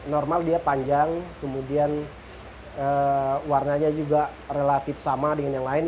normal dia panjang kemudian warnanya juga relatif sama dengan yang lain